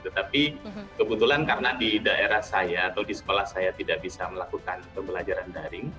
tetapi kebetulan karena di daerah saya atau di sekolah saya tidak bisa melakukan pembelajaran daring